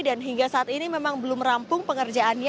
dan hingga saat ini memang belum rampung pengerjaannya